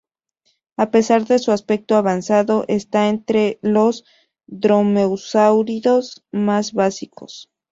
A pesar de su aspecto avanzado, está entre los dromeosáuridos más básicos.